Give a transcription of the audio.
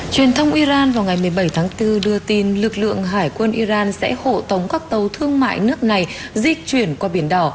truyền thông iran vào ngày một mươi bảy tháng bốn đưa tin lực lượng hải quân iran sẽ hộ tống các tàu thương mại nước này di chuyển qua biển đỏ